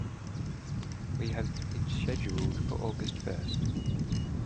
We have it scheduled for August first.